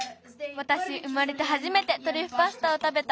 わたし生まれてはじめてトリュフパスタをたべた。